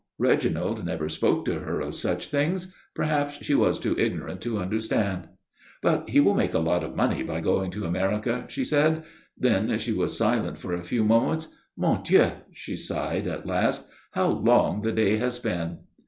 Reginald never spoke to her of such things; perhaps she was too ignorant to understand. "But he will make a lot of money by going to America," she said. Then she was silent for a few moments. "Mon Dieu!" she sighed, at last. "How long the day has been!"